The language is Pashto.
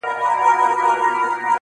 خلک ځغلي تر ملا تر زیارتونو٫